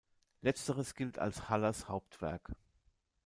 Letzteres gilt als Hallers Hauptwerk.